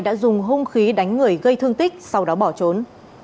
đã dùng hung khí đánh người gây thương tích sau đó bỏ trốn